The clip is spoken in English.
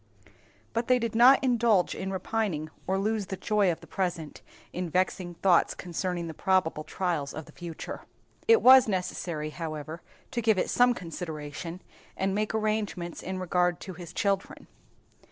But they did not indulge in repining or lose the enjoyment of the present in vexing thoughts concerning the probable trials of the future. It was necessary, however, to give it some consideration, and make arrangements in regard to his children.